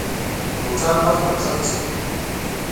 د هوټل مخې ته ښکته شوم.